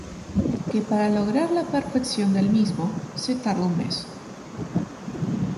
Que para lograr la perfección del mismo se tardó un mes.